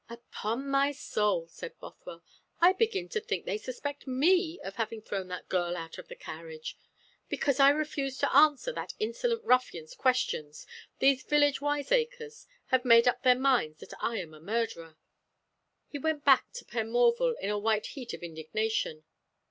"Upon my soul," said Bothwell, "I begin to think they suspect me of having thrown that girl out of the carriage. Because I refused to answer that insolent ruffian's questions, these village wiseacres have made up their minds that I am a murderer." He went back to Penmorval in a white heat of indignation.